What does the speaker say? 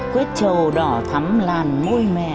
quyết trầu đỏ thắm làn môi mẹ